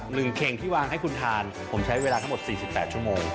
หนึ่งเข่งที่วางให้คุณทานผมใช้เวลาทั้งหมดสี่สิบแปดชั่วโมง